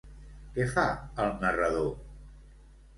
Què fa el narrador?